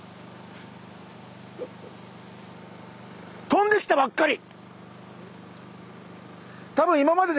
飛んできたばっかり。